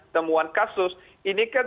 temuan kasus ini kan